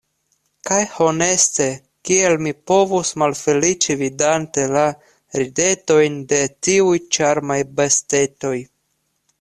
Kaj honeste, kiel mi povus malfeliĉi vidante la ridetojn de tiuj ĉarmaj bestetoj?